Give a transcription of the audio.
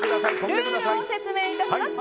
ルールを説明いたします。